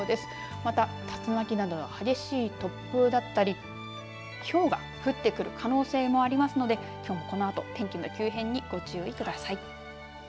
また、竜巻などの激しい突風だったりひょうが降ってくる可能性もありますのできょうもこのあと天気の急変にご注意ください。